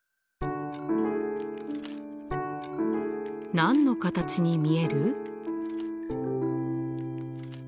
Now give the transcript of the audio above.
何の形に見える？